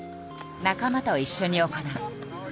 仲間と一緒に行う。